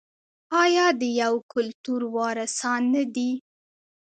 آیا د یو کلتور وارثان نه دي؟